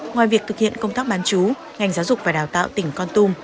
ngoài việc thực hiện công tác bán chú ngành giáo dục và đào tạo tỉnh con tum